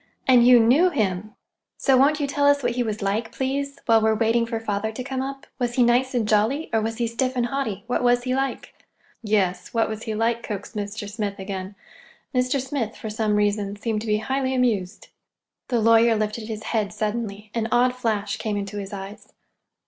And you knew him. So won't you tell us what he was like, please, while we're waiting for father to come up? Was he nice and jolly, or was he stiff and haughty? What was he like?" "Yes, what was he like?" coaxed Mr. Smith again. Mr. Smith, for some reason, seemed to be highly amused. The lawyer lifted his head suddenly. An odd flash came to his eyes.